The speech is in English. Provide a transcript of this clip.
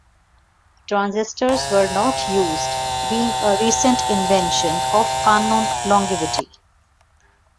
Transistors were not used, being a recent invention of unknown longevity.